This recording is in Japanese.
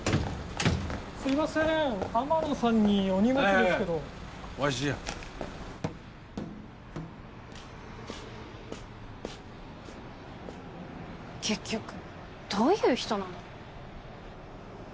すいません天野さんにお荷物ですけどはいはいわしじゃ結局どういう人なの？